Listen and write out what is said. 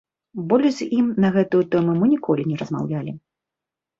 Больш з ім на гэтую тэму мы ніколі не размаўлялі.